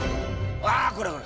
わこれこれ！